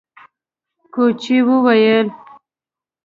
کوچي وويل: